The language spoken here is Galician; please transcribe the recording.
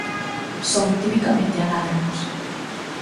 Son tipicamente anádromos.